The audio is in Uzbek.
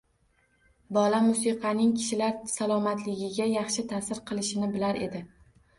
Bola musiqaning kishilar salomatligiga yaxshi ta’sir qilishini bilar edi